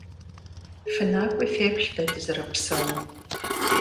ФынакӀуи феплъ дэ дызэрыпсэум.